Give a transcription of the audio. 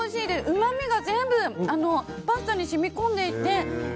うまみが全部パスタに染み込んでいて。